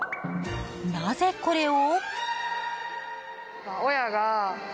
なぜ、これを？